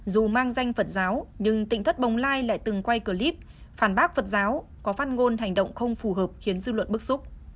dù mang danh phật giáo nhưng tỉnh thất bồng lai lại từng quay clip phản bác phật giáo có phát ngôn hành động không phù hợp khiến dư luận bức xúc